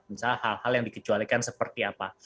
misalnya hal hal yang dikecualikan seperti apa